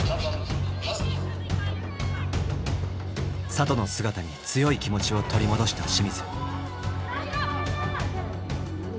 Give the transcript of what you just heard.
里の姿に強い気持ちを取り戻した清水。